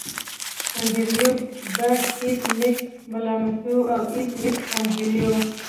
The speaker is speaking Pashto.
انډریو به ایس میکس ملامتوي او ایس میکس انډریو